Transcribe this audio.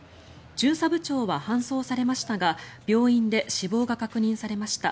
巡査部長は搬送されましたが病院で死亡が確認されました。